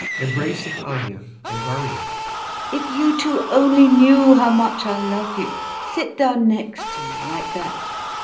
[Embracing ANYA and VARYA] If you two only knew how much I love you. Sit down next to me, like that.